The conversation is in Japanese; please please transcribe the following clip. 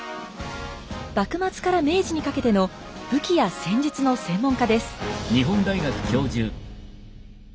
幕末から明治にかけての武器や戦術の専門家です。